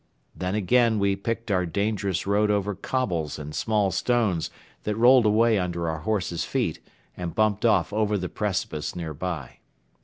Then again we picked our dangerous road over cobbles and small stones that rolled away under our horses' feet and bumped off over the precipice nearby.